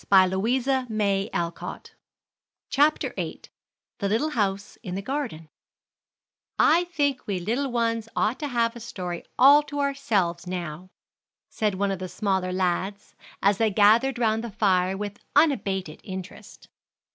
The Little House In The Garden "I think we little ones ought to have a story all to ourselves now," said one of the smaller lads, as they gathered round the fire with unabated interest.